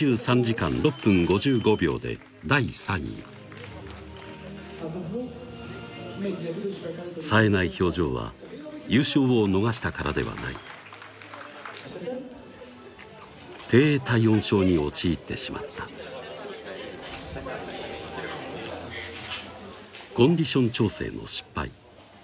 結果はさえない表情は優勝を逃したからではない低体温症に陥ってしまったコンディション調整の失敗